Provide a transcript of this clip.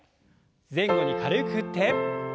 前後に軽く振って。